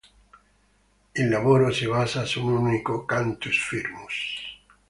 Il lavoro si basa su un unico "cantus firmus".